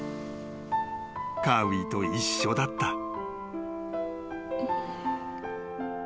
［カーウィと一緒だった］